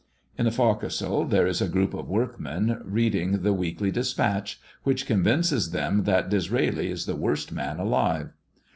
In the forecastle, there is a group of workmen reading the Weekly Dispatch, which convinces them that Disraeli is the worst man alive.